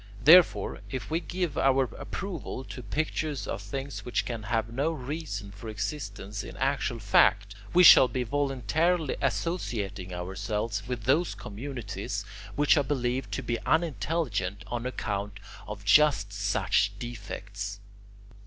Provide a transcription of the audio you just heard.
Therefore, if we give our approval to pictures of things which can have no reason for existence in actual fact, we shall be voluntarily associating ourselves with those communities which are believed to be unintelligent on account of just such defects."